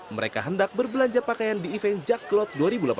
mereka hendak berbelanja pakaian di event jack cloth dua ribu delapan belas